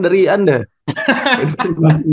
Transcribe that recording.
emang udah pas tchen